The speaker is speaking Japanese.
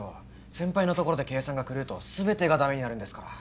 先輩のところで計算が狂うとすべてが駄目になるんですから。